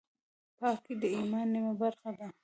پاکي د ایمان نیمه برخه ده.